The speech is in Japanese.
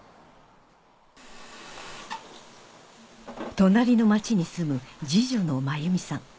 隣の町に住む次女の真由美さん